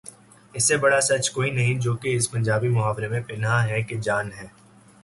اس سے بڑا سچ کوئی نہیں جو کہ اس پنجابی محاورے میں پنہاں ہے کہ جان ہے۔